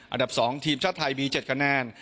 อันดับ๒ทีมชาติไทยมี๗คะแนน